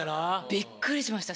びっくりしました。